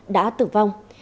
đã tử vong